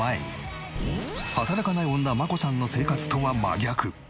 働かない女真子さんの生活とは真逆！